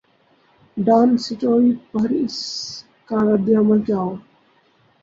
Dawn story پر اس کا ردعمل کیا ہو گا؟